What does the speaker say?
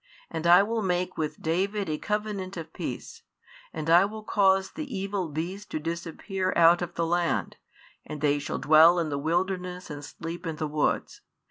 And I will make with David a covenant of peace, and I will cause the evil beasts to disappear out of the land; and they shall dwell in the wilderness and sleep in the woods.